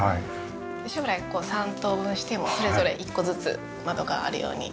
将来３等分してもそれぞれ１個ずつ窓があるように。